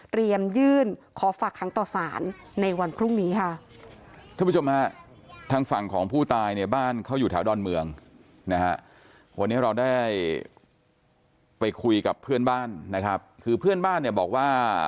เตรียมยื่นขอฝากทั้งต่อสารในวันพรุ่งนี้ค่ะ